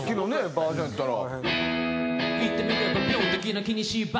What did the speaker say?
バージョンやったら。